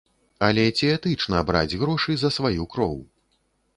Але ці этычна браць грошы за сваю кроў?